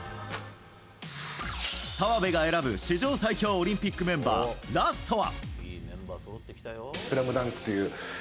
澤部が選ぶ史上最強オリンピックメンバーラストは。